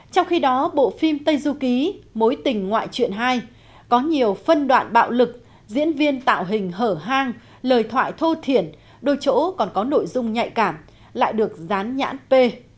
trong khi đó bộ phim tây du ký mối tình ngoại chuyện hai có nhiều phân đoạn bạo lực diễn viên tạo hình hở hang lời thoại thô thiển đôi chỗ còn có nội dung nhạy cảm lại được dán nhãn p